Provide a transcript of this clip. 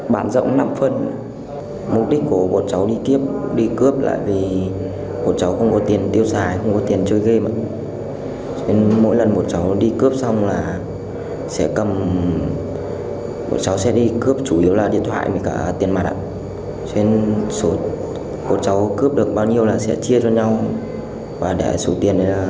bọn cháu đi cướp để lấy tiền tiêu vặt lấy tiền tiêu vặt mỗi lần đi cướp để lấy tiền tiêu vặt mỗi lần đi cướp để lấy tiền tiêu vặt mỗi lần đi cướp để lấy tiền tiêu vặt